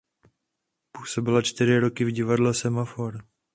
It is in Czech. Působila čtyři roky v divadle Semafor.